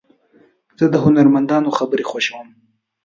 زه د هنرمندانو خبرې خوښوم.